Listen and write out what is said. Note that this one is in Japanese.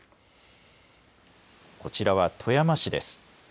こちらは富山市です。